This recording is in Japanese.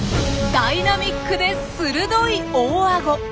ダイナミックで鋭い大アゴ。